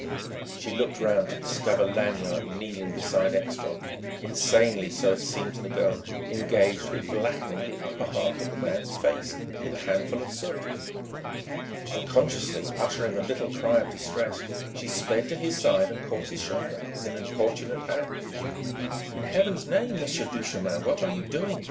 She looked round to discover Lanyard kneeling beside Ekstrom, insanely so it seemed to the girl engaged in blackening the upper half of the man's face with a handful of soot. Unconsciously uttering a little cry of distress she sped to his side and caught his shoulder with an importunate hand. "In Heaven's name, Monsieur Duchemin, what are you doing?